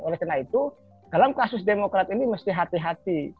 oleh karena itu dalam kasus demokrat ini mesti hati hati